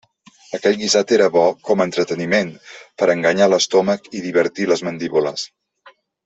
Aquell guisat era bo com a entreteniment, per a enganyar l'estómac i divertir les mandíbules.